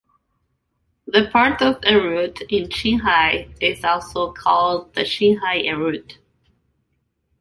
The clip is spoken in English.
The part of Erut in Qinghai is also called the Qinghai Erut.